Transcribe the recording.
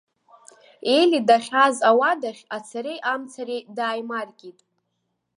Ели дахьааз ауадахь ацареи амцареи дааимаркит.